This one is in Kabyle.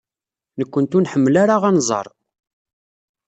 Nekkenti ur nḥemmel ara anẓar.